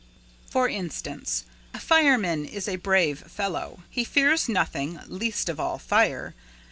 For instance, a fireman is a brave fellow! He fears nothing, least of all fire!